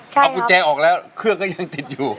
เอากุญแจออกแล้วเครื่องก็ยังติดอยู่